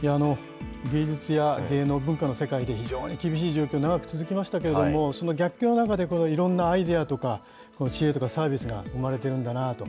芸術や芸能文化の世界で非常に厳しい状況、長く続きましたけれども、その逆境の中でいろんなアイデアとか、知恵とかサービスが生まれてるんだなと。